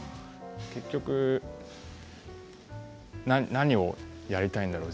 結局、何をやりたいんだろう